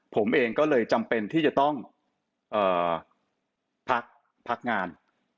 ผมเองก็เลยจำเป็นที่จะต้องพักงาน